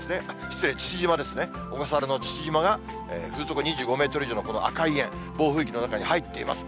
失礼、父島ですね、小笠原の父島が風速２５メートル以上の赤い円、暴風域の中に入っています。